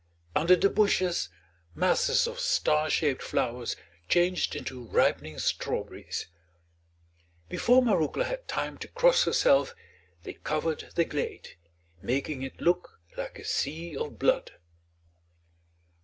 Under the bushes masses of star shaped flowers changed into ripening strawberries. Before Marouckla had time to cross herself they covered the glade, making it look like a sea of blood.